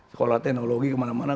sekolah teknologi kemana mana